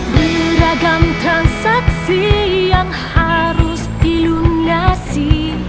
beragam transaksi yang harus dilunasi